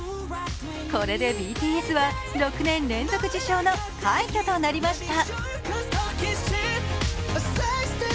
これでＢＴＳは６年連続受賞の快挙となりました。